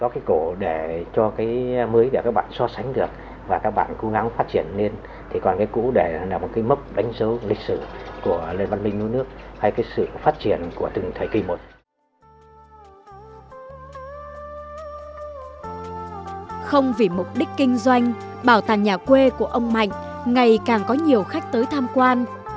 không vì mục đích kinh doanh bảo tàng nhà quê của ông mạnh ngày càng có nhiều khách tới tham quan